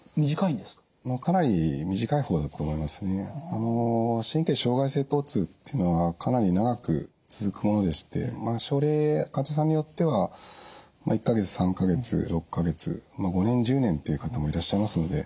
あの神経障害性とう痛っていうのはかなり長く続くものでしてまあ症例患者さんによっては１か月３か月６か月まあ５年１０年っていう方もいらっしゃいますので。